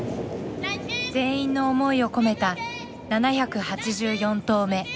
全員の思いを込めた７８４投目。